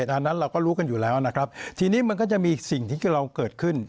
ตอนนั้นเราก็รู้กันอยู่แล้วนะครับทีนี้มันก็จะมีสิ่งที่เราเกิดขึ้น